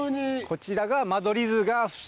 こちらが。